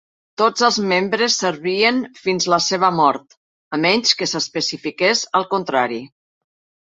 Tots els membres servien fins la seva mort, a menys que s'especifiqués el contrari.